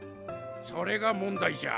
それが問題じゃ。